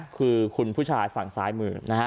คือคุณผู้ชายฝั่งสายมือ